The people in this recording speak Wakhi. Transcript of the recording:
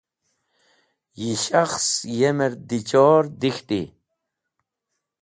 Yi shakhs yemer dichor dik̃hti.